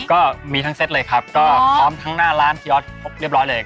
ก็มีทั้งเซตเลยครับก็พร้อมทั้งหน้าร้านพี่ออสครบเรียบร้อยเลย